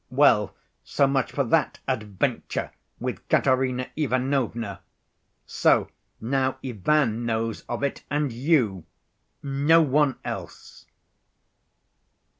Well, so much for that 'adventure' with Katerina Ivanovna. So now Ivan knows of it, and you—no one else."